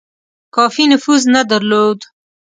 کافي نفوذ نه درلود.